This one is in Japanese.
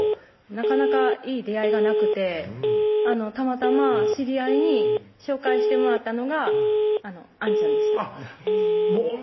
なかなかいい出会いがなくてたまたま知り合いに紹介してもらったのがあんちゃんでしたあっ